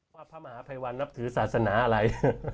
พระมหาภัยวันนับถือศาสนาอะไร